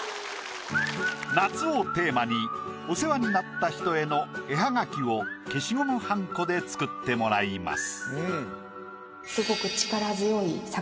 「夏」をテーマにお世話になった人への絵はがきを消しゴムはんこで作ってもらいます。